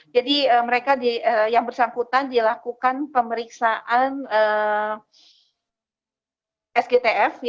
jadi mereka yang bersangkutan dilakukan pemeriksaan sgtf